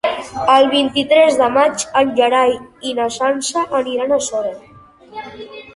El vint-i-tres de maig en Gerai i na Sança aniran a Sora.